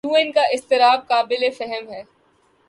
یوں ان کا اضطراب قابل فہم ہے۔